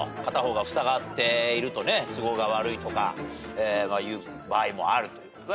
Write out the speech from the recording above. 片方がふさがっているとね都合が悪いとかいう場合もあると。